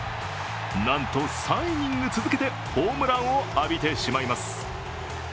なんと３イニング続けてホームランを浴びてしまいます。